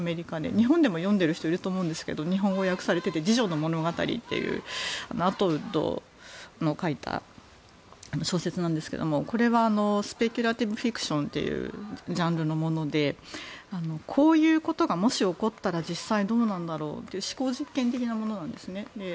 日本でも読んでいる人がいると思いますが「次女の物語」という小説なんですがこれはスペキュラティブフィクションというジャンルのものでこういうことがもし起こったら実際どうなんだろうという思考実験的なものなんですね。